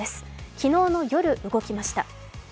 昨日の夜、動きました。